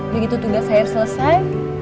begitu tugas saya selesai